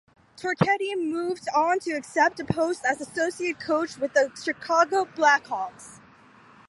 Torchetti moved on to accept a post as associate coach with the Chicago Blackhawks.